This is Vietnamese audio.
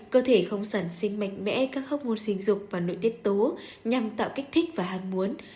cơ thể không sản sinh mạnh mẽ các hốc môn sinh dục và nội tiết tố nhằm tạo kích thích và hang muốn